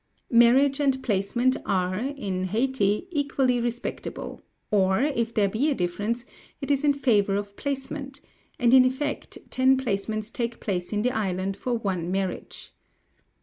"Marriage and placement are, in Hayti, equally respectable, or, if there be a difference, it is in favour of placement; and in effect ten placements take place in the island for one marriage.